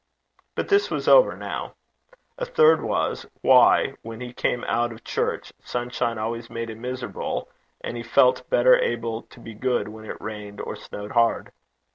But this was over now. A third was, why, when he came out of church, sunshine always made him miserable, and he felt better able to be good when it rained or snowed hard.